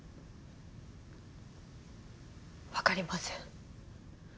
わかりません。